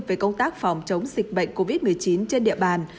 về công tác phòng chống dịch bệnh covid một mươi chín trên địa bàn